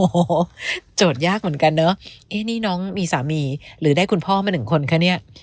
โอ้โหโจทย์ยากเหมือนกันเนอะเอ๊ะนี่น้องมีสามีหรือได้คุณพ่อมาหนึ่งคนคะเนี่ย